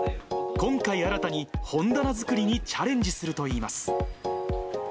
今回、新たに本棚作りにチャレンジするといいます。